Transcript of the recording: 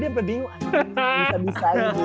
dia sampe bingung anjing